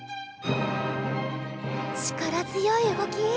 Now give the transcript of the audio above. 力強い動き！